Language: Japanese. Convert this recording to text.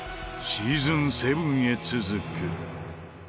シーズン７へ続く。